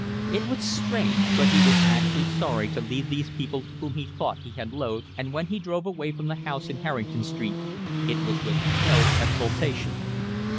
It was strange, but he was actually sorry to leave these people whom he thought he had loathed, and when he drove away from the house in Harrington Street it was with no exultation.